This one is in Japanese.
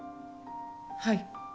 はい。